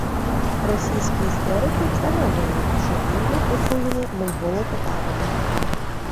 Російські історики встановили, що він був отруєний монголо-татарами